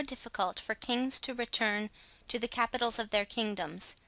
Difficult for Kings to return to the Capitals of their Kingdoms.